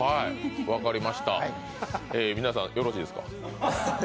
分かりました、皆さんよろしいですか？